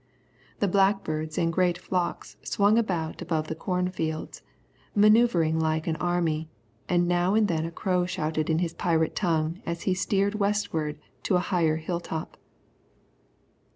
The blackbirds in great flocks swung about above the corn fields, man[oe]uvring like an army, and now and then a crow shouted in his pirate tongue as he steered westward to a higher hill top.